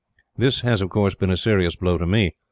"This has, of course, been a serious blow to me.